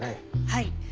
はい。